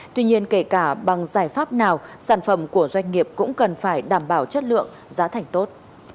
tuy nhiên kể cả bằng giải pháp nào sản phẩm của doanh nghiệp cũng cần phải đảm bảo chất lượng giá thành tốt